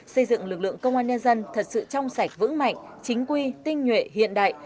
xây dựng lực lượng công an nhân dân thật sự trong sạch vững mạnh chính quy tinh nhuệ hiện đại